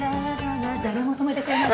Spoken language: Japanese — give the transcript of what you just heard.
誰も止めてくれない。